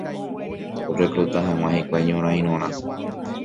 orecluta hag̃ua hikuái ñorãirõrã